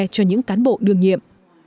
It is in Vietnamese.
cho những cán bộ đương nhiệm